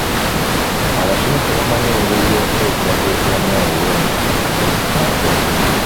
Abasomesa bamanyi engeri y'okuteekerateekeramu obulungi abayizi baabwe.